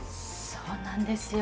そうなんですよ。